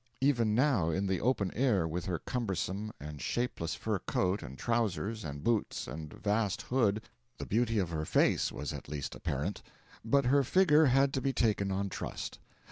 Even now, in the open air, with her cumbersome and shapeless fur coat and trousers and boots and vast hood, the beauty of her face was at least apparent; but her figure had to be taken on trust.